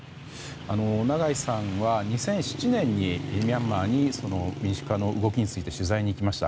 長井さんは２００７年にミャンマーに民主化の動きを取材に行きました。